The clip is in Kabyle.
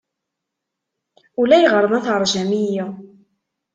Ulayɣer ma teṛjam-iyi.